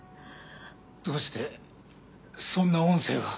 どうしてそんな音声が。